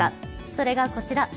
それが、こちら。